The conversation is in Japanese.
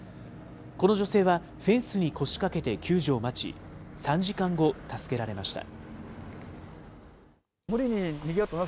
この女性はフェンスに腰掛けて救助を待ち、３時間後、助けられました。